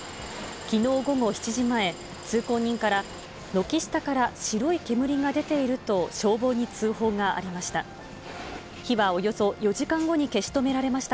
きのう午後７時前、通行人から、軒下から白い煙が出ていると、消防に通報がありました。